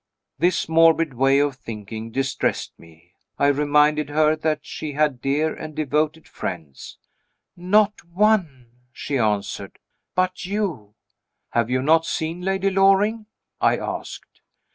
This morbid way of thinking distressed me. I reminded her that she had dear and devoted friends. "Not one," she answered, "but you." "Have you not seen Lady Loring?" I asked.